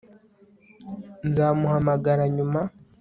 nzamuhamagara nyuma